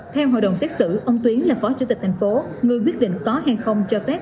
theo hội đồng xét xử ông tuyến là phó chủ tịch thành phố người quyết định có hay không cho phép